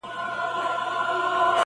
زه به په هغه ورځ -